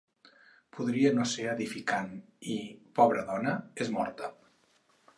Podria no ser edificant i, pobre dona, és morta.